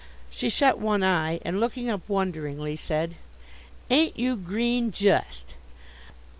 She shut one eye, and looking up wonderingly, said: "Ain't you green just!"